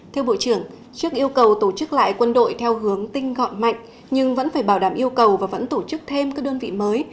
theo bộ trưởng trước yêu cầu tổ chức lại quân đội theo hướng tinh gọn mạnh nhưng vẫn phải bảo đảm yêu cầu và vẫn tổ chức thêm các đơn vị mới